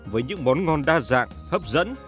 với những món ngon đa dạng hấp dẫn